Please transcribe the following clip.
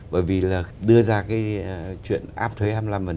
bởi vì là đưa ra cái chuyện áp thuế hai mươi năm